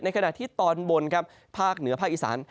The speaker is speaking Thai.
ในขณะที่ตอนบนภาคเหนือภาคอีสาน